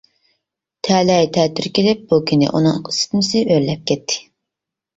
تەلەي تەتۈر كېلىپ، بۇ كۈنى ئۇنىڭ ئىسسىتمىسى ئۆرلەپ كەتتى.